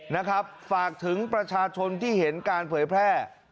นะครับฝากถึงประชาชนที่เห็นการเผยแพร่